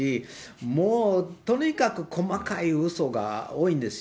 もうとにかく細かいうそが多いんですよ。